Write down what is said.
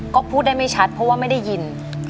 ก็พูดได้ไม่ชัดเพราะว่าไม่ได้ยิน